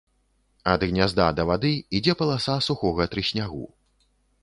Ад гнязда да вады ідзе паласа сухога трыснягу.